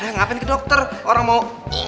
ngapain ke dokter orang mau